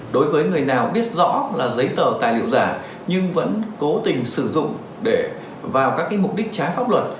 đối với người nào biết rõ là giấy tờ tài liệu giả nhưng vẫn cố tình sử dụng để vào các mục đích trái pháp luật